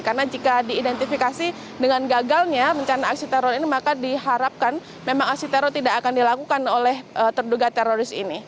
karena jika diidentifikasi dengan gagalnya rencana aksi teror ini maka diharapkan memang aksi teror tidak akan dilakukan oleh terduga teroris ini